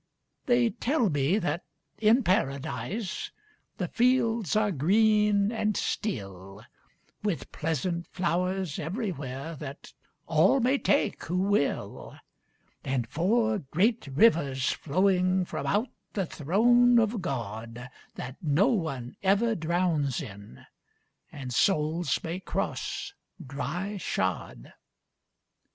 "They tell me that in Paradise the fields are green and still, With pleasant flowers everywhere that all may take who will,"And four great rivers flowing from out the Throne of GodThat no one ever drowns in and souls may cross dry shod.